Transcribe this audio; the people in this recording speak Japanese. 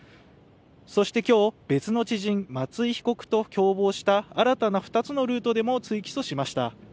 そして今日別の知人・松井被告と共謀した新たな２つのルートでも追起訴しました。